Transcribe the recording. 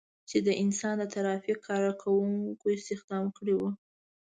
چې د انسان د ترافیک کار کوونکو استخدام کړي وو.